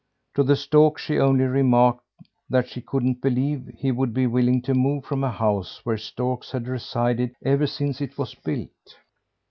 To the stork she only remarked, that she couldn't believe he would be willing to move from a house where storks had resided ever since it was built.